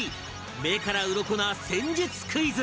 目からウロコな戦術クイズ